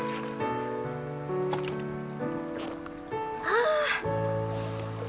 ああ。